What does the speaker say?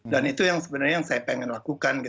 dan itu yang sebenarnya saya ingin lakukan